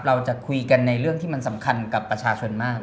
เราจะคุยกันในเรื่องที่มันสำคัญกับประชาชนมาก